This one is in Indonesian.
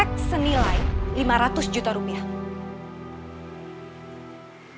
tax senilai lima ratus juta rupiah